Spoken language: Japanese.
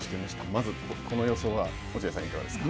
まずこの予想は、落合さん、いかがですか。